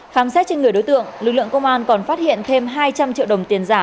khám xét trên người đối tượng lực lượng công an còn phát hiện thêm hai trăm linh triệu đồng tiền giả